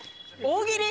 大喜利。